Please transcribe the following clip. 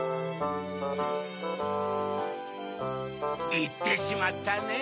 いってしまったねぇ。